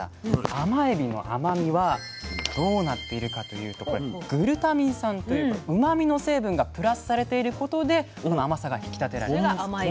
甘エビの甘みはどうなっているかというとこれグルタミン酸といううまみの成分がプラスされていることで甘さが引き立てられるんです。